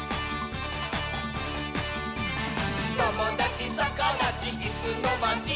「ともだちさかだちいすのまち」